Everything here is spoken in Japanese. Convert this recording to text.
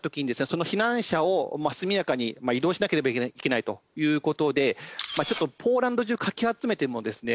その避難者を速やかに移動しなければいけないという事でポーランド中かき集めてもですね